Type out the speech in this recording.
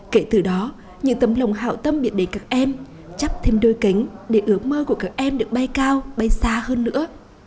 kể từ đó những tâm lòng hạo tâm biệt đầy các em chắp thêm đôi cánh để ước mơ của các em được bay cao bay xa hơn nữa